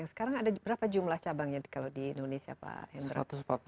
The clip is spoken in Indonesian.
sekarang ada berapa jumlah cabangnya kalau di indonesia pak hendra